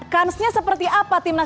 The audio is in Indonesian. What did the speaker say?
kansnya seperti apa